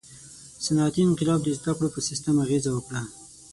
• صنعتي انقلاب د زدهکړو په سیستم اغېزه وکړه.